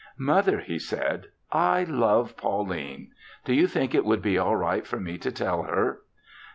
"Mother," he said, "I love Pauline. Do you think it would be all right for me to tell her?"